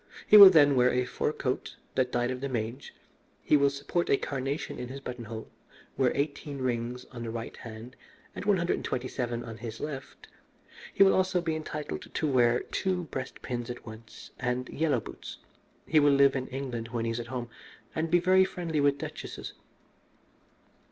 He will then wear a fur coat that died of the mange, he will support a carnation in his buttonhole, wear eighteen rings on his right hand and one hundred and twenty seven on his left. He will also be entitled to wear two breast pins at once and yellow boots. He will live in England when he is at home, and be very friendly with duchesses.